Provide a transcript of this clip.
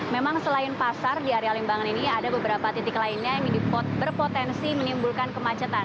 memang selain pasar di area limbangan ini ada beberapa titik lainnya yang berpotensi menimbulkan kemacetan